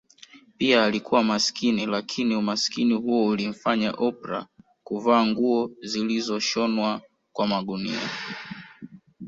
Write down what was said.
Pia alikuwa masikini lakini Umasikini huo ulimfanya Oprah kuvaa nguo zilizoshonwa kwa magunia